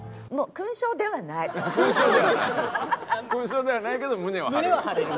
勲章ではないけど胸は張れる。